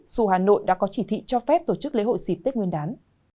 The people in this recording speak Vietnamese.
dù hà nội đã có chỉ thị cho phép tổ chức lễ hội dịp tết nguyên đán